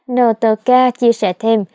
nờ tờ ca chia sẻ thêm